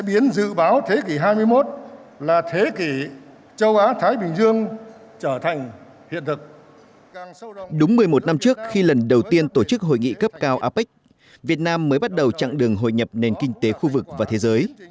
việt nam mới bắt đầu chặng đường hội nhập nền kinh tế khu vực và thế giới